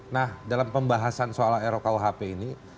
nah dalam pembahasan soal ruk whp ini